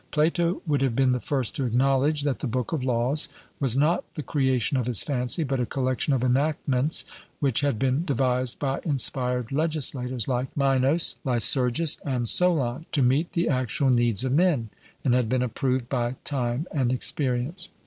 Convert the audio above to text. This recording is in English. Plato would have been the first to acknowledge that the Book of Laws was not the creation of his fancy, but a collection of enactments which had been devised by inspired legislators, like Minos, Lycurgus, and Solon, to meet the actual needs of men, and had been approved by time and experience.